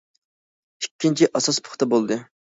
ئىككىنچى، ئاساس پۇختا بولدى.